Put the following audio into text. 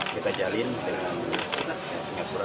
kita jalin dengan singapura